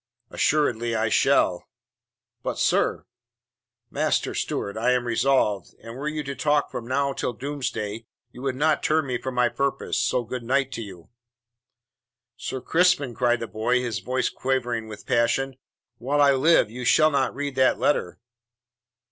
"Assuredly I shall." "But, sir " "Master Stewart, I am resolved, and were you to talk from now till doomsday, you would not turn me from my purpose. So good night to you." "Sir Crispin," cried the boy, his voice quavering with passion, "while I live you shall not read that letter!"